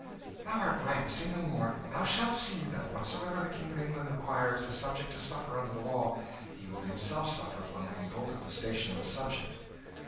"Thou art right; say no more; thou shalt see that whatsoever the King of England requires a subject to suffer, under the law, he will himself suffer while he holdeth the station of a subject."